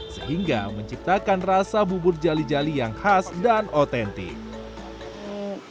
sehingga menciptakan rasa bubur jali jali yang khas dan otentik